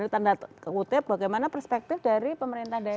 tanda kutip bagaimana perspektif dari pemerintah daerah